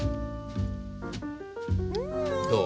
どう？